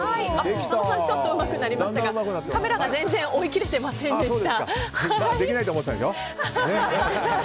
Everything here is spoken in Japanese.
佐野さん、うまくなりましたがカメラが全然追い切れてませんでした。